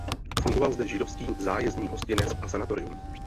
Fungoval zde židovský zájezdní hostinec a sanatorium.